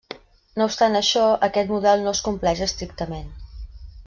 No obstant això, aquest model no es compleix estrictament.